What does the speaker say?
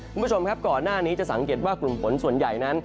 คุณผู้ชมครับก่อนหน้านี้จะสังเกตว่ากลุ่มฝนส่วนใหญ่นั้น